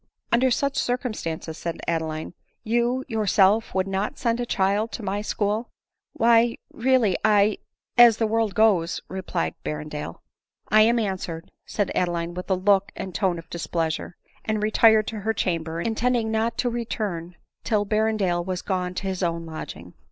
" Under such circumstances," said Adeline, "you your self would not send a child to my school ?"" Why — really — I — as the world goes" — replied Ber rendale. " I am answered," said Adeline with a look and tone of displeasure; and retired to her chamber, intending not to return till Berrendale was gone to his own lodging.